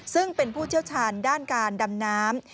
ซึ่งเป็นผู้เชี่ยวชาญด้านการดำน้ำ